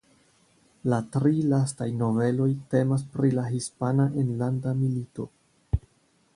La tri lastaj noveloj temas pri la Hispana Enlanda Milito.